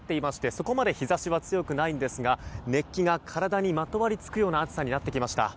そこまで日差しは強くないのですが熱気が体にまとわりつくような暑さになってきました。